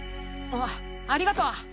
あありがとう。